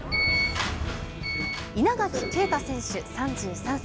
稲垣啓太選手３３歳。